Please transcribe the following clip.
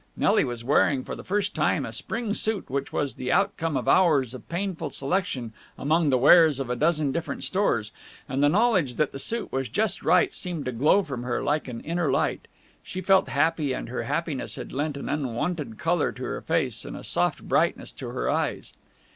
Nelly was wearing for the first time a Spring suit which was the outcome of hours of painful selection among the wares of a dozen different stores, and the knowledge that the suit was just right seemed to glow from her like an inner light. She felt happy, and her happiness had lent an unwonted colour to her face and a soft brightness to her eyes.